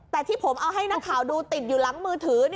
แต่ที่ผมเอาให้นักข่าวดูติดอยู่หลังมือถือ